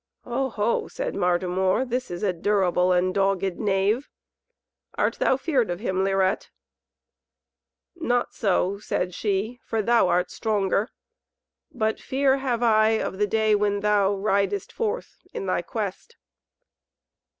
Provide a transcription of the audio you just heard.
"Oho!" said Martimor, "this is a durable and dogged knave. Art thou feared of him Lirette?" "Not so," said she, "for thou art stronger. But fear have I of the day when thou ridest forth in thy quest."